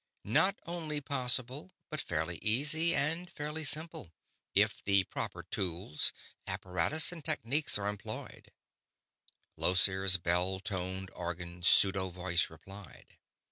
Not only possible, but fairly easy and fairly simple, if the proper tools, apparatus, and techniques are employed," Llosir's bell toned organ pseudo voice replied.